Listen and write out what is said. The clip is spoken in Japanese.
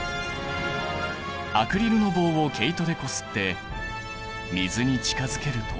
アクリルの棒を毛糸でこすって水に近づけると。